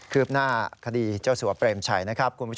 คืบหน้าคดีเจ้าสัวเปรมชัยนะครับ